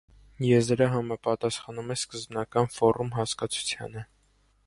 Եզրը համապատասխանում է սկզբնական «ֆորում» հասկացությանը։